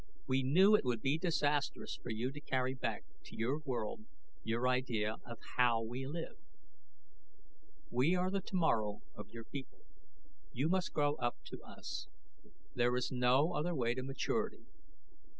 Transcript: We knew it would be disastrous for you to carry back to your world your idea of how we live. We are the tomorrow of your people; you must grow up to us. There is no other way to maturity.